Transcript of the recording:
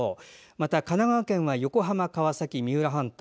また、神奈川県は横浜、川崎三浦半島。